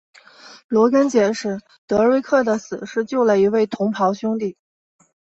罗根解释德瑞克的死是救了一位同袍兄弟。